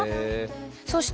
そして。